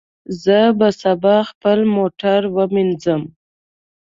زه به سبا خپل موټر ومینځم.